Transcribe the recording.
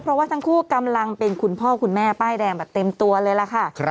เพราะว่าทั้งคู่กำลังเป็นคุณพ่อคุณแม่ป้ายแดงแบบเต็มตัวเลยล่ะค่ะ